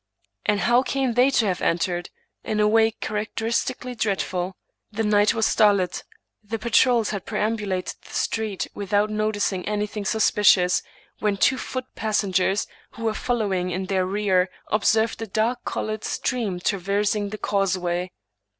And how came they to have entered? In a way characteristically dreadful. The night was starlit ; the patrols had perambulated the street without noticing anything suspicious, when two foot passengers, who were following in their rear, observed g. dark colored stream traversing the causeway.